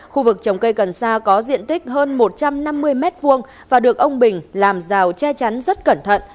khu vực trồng cây cần sa có diện tích hơn một trăm năm mươi m hai và được ông bình làm rào che chắn rất cẩn thận